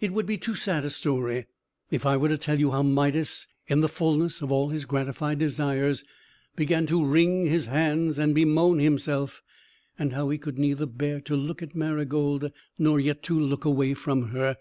It would be too sad a story, if I were to tell you how Midas, in the fulness of all his gratified desires, began to wring his hands and bemoan himself; and how he could neither bear to look at Marygold, nor yet to look away from her.